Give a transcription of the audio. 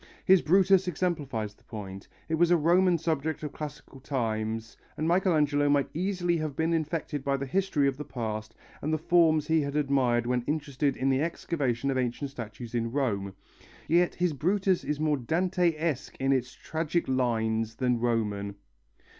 His Brutus exemplifies the point. It was a Roman subject of classical times, and Michelangelo might easily have been infected by the history of the past and the forms he had admired when interested in the excavation of ancient statues in Rome. Yet his Brutus is more Dantesque in its tragic lines than Roman.